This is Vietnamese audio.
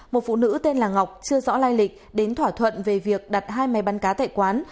một phụ nữ tên là ngọc chưa rõ lai lịch đến thỏa thuận về việc đặt hai máy bắn cá tại quán